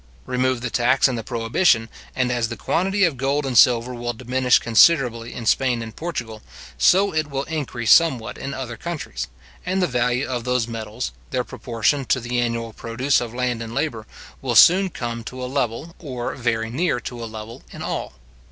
Remove the tax and the prohibition, and as the quantity of gold and silver will diminish considerably in Spain and Portugal, so it will increase somewhat in other countries; and the value of those metals, their proportion to the annual produce of land and labour, will soon come to a level, or very near to a level, in all.